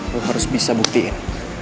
lo harus bisa buktiin